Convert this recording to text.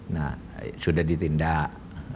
nah sudah ditindak